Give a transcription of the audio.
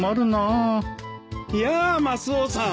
いやあマスオさん